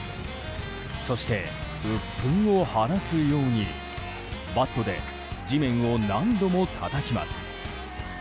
そして、うっ憤を晴らすようにバットで地面を何度もたたきます。